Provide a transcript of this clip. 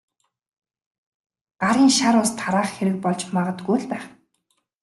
Гарын шар ус тараах хэрэг болж магадгүй л байх.